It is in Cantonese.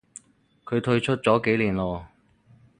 佢退出咗幾年咯